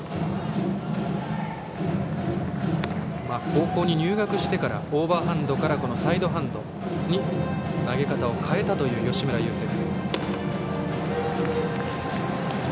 高校に入学してからオーバーハンドからサイドハンドに投げ方を変えたという吉村優聖歩。